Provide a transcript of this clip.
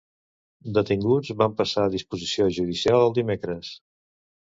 Detinguts van passar a disposició judicial el dimecres.